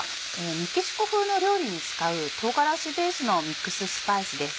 メキシコ風の料理に使う唐辛子ベースのミックススパイスです。